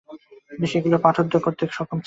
কিন্তু সেগুলির পাঠোদ্ধার করতে কেউ সক্ষম ছিল না।